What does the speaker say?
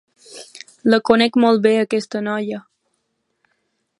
La conec molt bé, aquesta noia.